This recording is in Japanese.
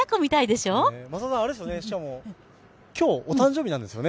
しかも、今日、お誕生日なんですよね。